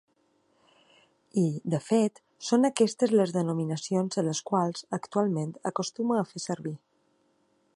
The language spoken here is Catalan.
I, de fet, són aquestes les denominacions a les quals, actualment, acostuma a fer servir.